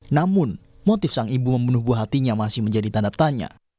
namun motif sang ibu membunuh buah hatinya masih menjadi tanda tanya